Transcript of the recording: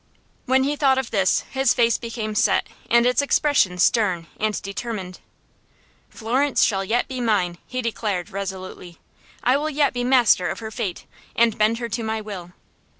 When he thought of this his face became set and its expression stern and determined. "Florence shall yet be mine," he declared, resolutely. "I will yet be master of her fate, and bend her to my will.